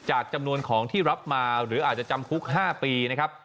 จำนวนของที่รับมาหรืออาจจะจำคุก๕ปีนะครับ